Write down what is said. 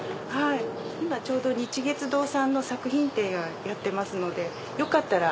今ちょうど日月堂さんの作品展やってますのでよかったら。